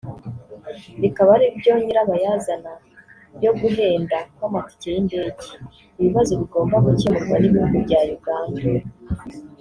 bikaba ari byo nyirabayazana yo guhenda kw’amatike y’indege; Ibibazo bigomba gukemurwa n’ibihugu bya Uganda